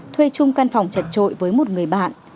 thuê chung căn phòng chật trội với một người bạn